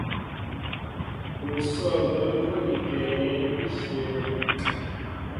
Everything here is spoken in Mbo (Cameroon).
Ú sɔ̂ gwɛm bónikɛ yɛ̌n íshyə̂.